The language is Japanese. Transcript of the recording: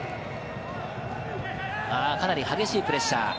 かなり激しいプレッシャー。